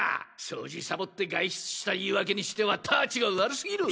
掃除サボって外出した言い訳にしては質が悪すぎる！